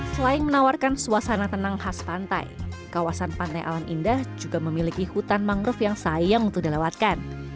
selain menawarkan suasana tenang khas pantai kawasan pantai alam indah juga memiliki hutan mangrove yang sayang untuk dilewatkan